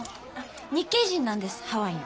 日系人なんですハワイの。